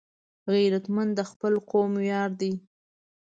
غیرتمند د خپل قوم ویاړ دی